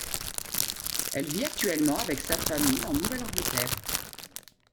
Elle vit actuellement avec sa famille en Nouvelle-Angleterre.